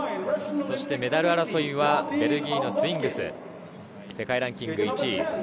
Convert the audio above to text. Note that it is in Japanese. メダル争いはベルギーのスウィングス、世界ランキング１位。